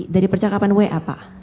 dari percakapan wa pak